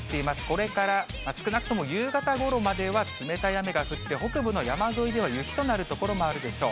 これから少なくとも夕方ごろまでは、冷たい雨が降って、北部の山沿いでは雪となる所もあるでしょう。